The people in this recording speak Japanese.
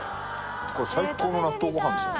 これ最高の納豆ご飯ですね